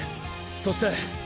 そして。